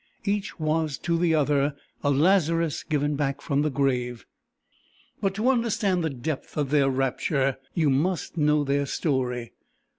Each was to the other a Lazarus given back from the grave. But to understand the depth of their rapture, you must know their story.